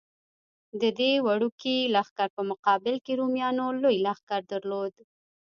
د دې وړوکي لښکر په مقابل کې رومیانو لوی لښکر درلود.